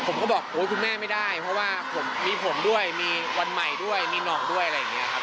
ผมก็บอกโอ๊ยคุณแม่ไม่ได้เพราะว่าผมมีผมด้วยมีวันใหม่ด้วยมีหน่องด้วยอะไรอย่างนี้ครับ